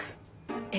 え？